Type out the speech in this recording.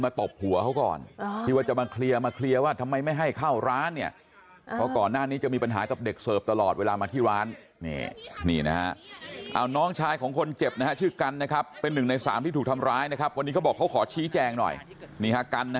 มือเปล่าแต่พี่ทำเขาแบบนี้หรอมันใช่หรอมือเปล่านะมือเปล่ามือเปล่า